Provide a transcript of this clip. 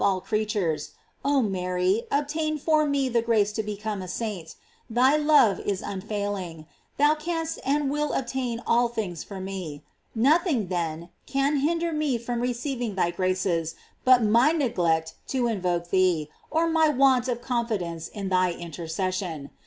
l creatures; oh Mary, obtain for me the grace to become a saint. Thy love is unfailing; thou canst and wilt obtain all things for me. Nothing, then, can hinder me from receiving thy graces but my neglect to invoke thee, or my want of confidence in thy intercession.